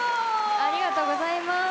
ありがとうございます。